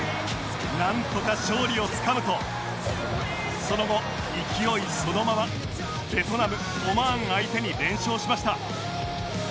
なんとか勝利をつかむとその後勢いそのままベトナムオマーン相手に連勝しました